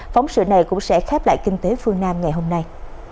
phóng sự này cũng sẽ khép lại kinh tế phương nam ngày hôm nay